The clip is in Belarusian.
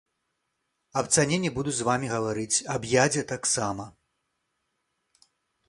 Аб цане не буду з вамі гаварыць, аб ядзе таксама.